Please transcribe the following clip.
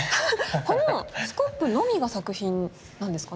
このスコップのみが作品なんですかね？